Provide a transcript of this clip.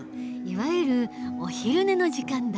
いわゆるお昼寝の時間だ。